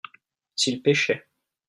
s'ils pêchaient.